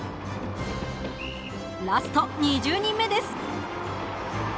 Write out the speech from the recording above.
ラスト２０人目です。